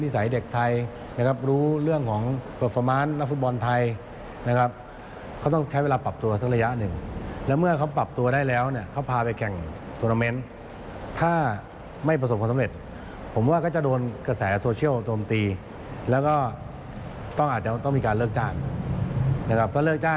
สุดก็เอาไปฟังกันหน่อยครับ